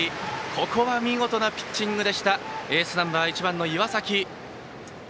ここは見事なピッチングでしたエースナンバー１番の岩崎。